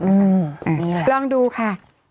อืมนี่แหละลองดูค่ะ